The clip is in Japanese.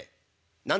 「何だ？